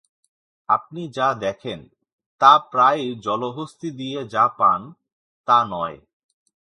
আপনি যা দেখেন, তা প্রায়ই জলহস্তী দিয়ে যা পান, তা নয়।